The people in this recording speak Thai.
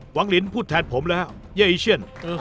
วังลินพูดแทนผมแล้วฮะเย่อีเชียน